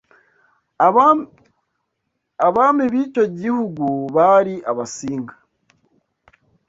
Abami b'icyo gihugu bari Abasinga